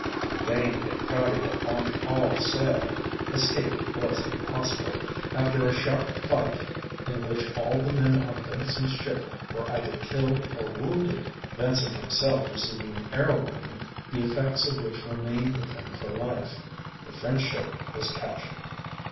In vain they crowded on all sail; escape was impossible. After a sharp fight, in which all the men on Vincent's ship were either killed or wounded Vincent himself receiving an arrow wound the effects of which remained with him for life the French ship was captured.